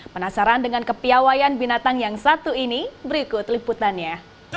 penasaran dengan kepiawayan binatang yang satu ini berikut liputannya